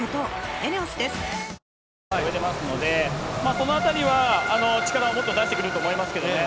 そのあたりは力をもっと出してくると思いますけどね。